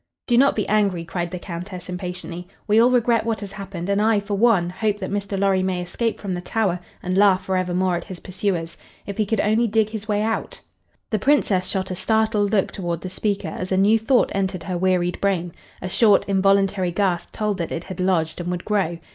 "Do not be angry," cried the Countess, impatiently. "We all regret what has happened, and I, for one, hope that Mr. Lorry may escape from the Tower and laugh forevermore at his pursuers. If he could only dig his way out!" The Princess shot a startled look toward the speaker as a new thought entered her wearied brain; a short, involuntary gasp told that it had lodged and would grow.